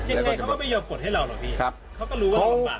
ทีลงไปยอมปลดให้เราเหรอพี่ครับเขาก็รู้ว่า